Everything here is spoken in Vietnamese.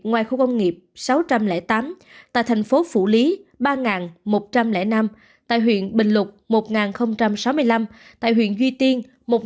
ngoài khu công nghiệp sáu trăm linh tám tại thành phố phủ lý ba một trăm linh năm tại huyện bình lục một nghìn sáu mươi năm tại huyện duy tiên